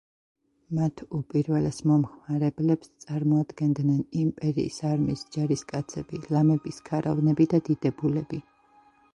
მათ უპირველეს მომხმარებლებს წარმოადგენდნენ იმპერიის არმიის ჯარისკაცები, ლამების ქარავნები და დიდებულები.